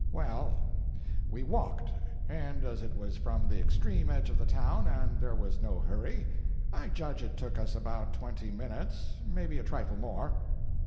"Well, we walked; and as it was from the extreme edge of the town, and there was no hurry, I judge it took us about twenty minutes, maybe a trifle more."